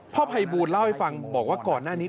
ภัยบูลเล่าให้ฟังบอกว่าก่อนหน้านี้